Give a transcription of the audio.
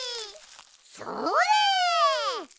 それ！